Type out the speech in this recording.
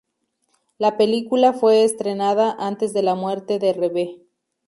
La película fue estrenada antes de la muerte de Reeve.